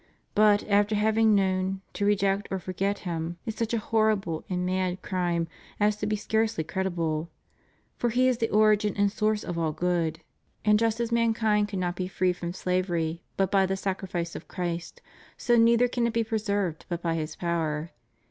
But, after having known, to reject or forget Him, is such a horrible and mad crime as to be scarcely credible. For He is the origin and source of all good, 464 CHRIST OUR REDEEMER. and just as mankind could not be freed from slavery but by the sacrifice of Christ, so neither can it be preserved but by His power.